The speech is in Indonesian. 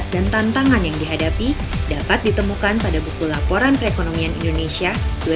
dan tantangan yang dihadapi dapat ditemukan pada buku laporan perekonomian indonesia dua ribu empat belas